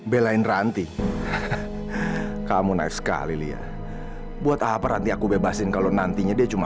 belain ranti kamu naik sekali lia buat apa ranti aku bebasin kalau nantinya dia cuma